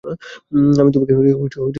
আমি তোমাকে জেলে পুরতেই চেয়েছিলাম।